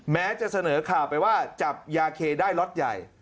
แม้จะเสนอข่าวไปว่าจับยาเคได้ล็อตใหญ่